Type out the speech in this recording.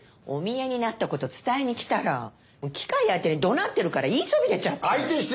お見えになったこと伝えに来たら機械相手にどなってるから言いそびれちゃって。